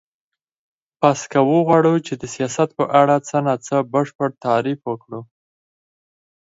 پس که وغواړو چی د سیاست په اړه څه نا څه بشپړ تعریف وکړو